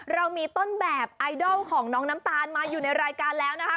เรามีต้นแบบไอดอลของน้องน้ำตาลมาอยู่ในรายการแล้วนะคะ